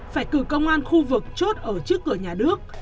phải cử công an khu vực chốt ở trước cửa nhà nước